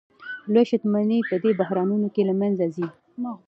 لویې شتمنۍ په دې بحرانونو کې له منځه ځي